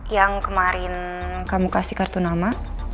yang kemarin kamu kasih kartu nama